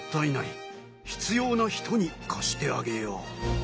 必要な人に貸してあげよう。